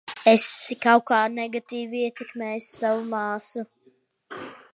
Esi kaut kā negatīvi ietekmējusi savu māsu.